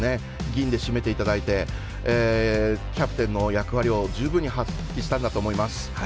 銀で締めていただいてキャプテンの役割を十分に発揮したんだと思います。